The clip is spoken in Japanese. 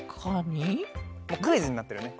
もうクイズになってるね。